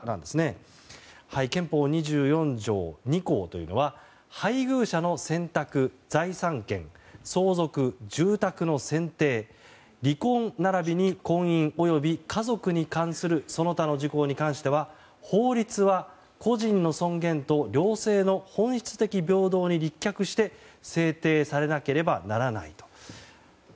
憲法２４条２項というのは配偶者の選択、財産権相続、住宅の選定離婚並びに婚姻及び家族に関するその他事項に関しては法律は個人の尊厳と両性の本質的平等に立脚して制定されなければならない。